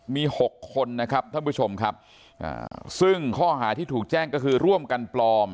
มี๖คนนะครับท่านผู้ชมครับซึ่งข้อหาที่ถูกแจ้งก็คือร่วมกันปลอม